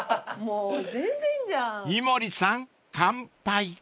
［井森さん乾杯］